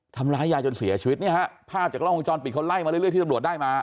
ทำร้ายยายจนเสียชีวิตเนี่ยฮะภาพจากล้องวงจรปิดเขาไล่มาเรื่อยที่ตำรวจได้มา